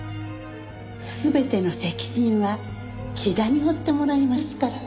全ての責任は木田に負ってもらいますから。